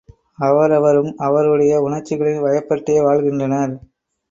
அவரவரும் அவரவருடைய உணர்ச்சிகளின் வயப்பட்டே வாழ்கின்றனர்.